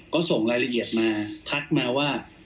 ก็ส่งรายละเอียดมาทักมาว่า